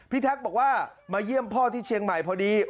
แท็กบอกว่ามาเยี่ยมพ่อที่เชียงใหม่พอดี